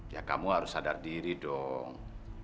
ya kamu harus sadar diri dong